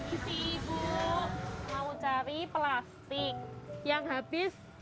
istri ibu mau cari plastik yang habis